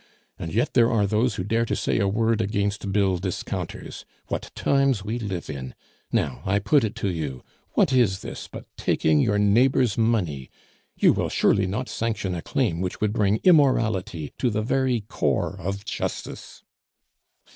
And yet there are those who dare to say a word against bill discounters! What times we live in! ... Now, I put it to you what is this but taking your neighbor's money? ... You will surely not sanction a claim which would bring immorality to the very core of justice!"